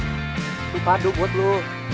itu padu buat lo